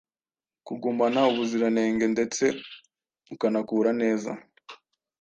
kugumana ubuziranenge ndetse ukanakura neza.